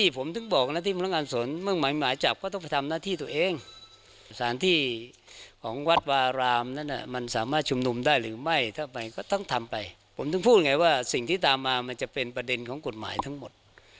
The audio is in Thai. ผมถึงพูดไงว่าสิ่งที่ตามมามันจะเป็นประเด็นของกฎหมายทั้งหมด